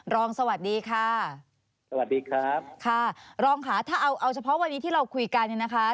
รองสวัสดีค่ะค่ะรองค่ะเอาเฉพาะวันนี้ที่เราคุยกันนะคะ